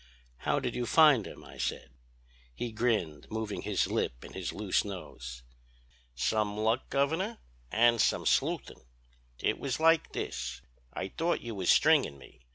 "'How did you find him?' I said. "He grinned, moving his lip and his loose nose. "'Some luck, Governor, and some sleuthin'. It was like this: I thought you was stringin' me.